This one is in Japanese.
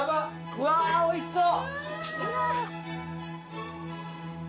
・うわーおいしそう！